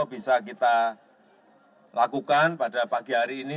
bisa kita lakukan pada pagi hari ini